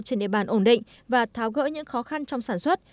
trên địa bàn ổn định và tháo gỡ những khó khăn trong sản xuất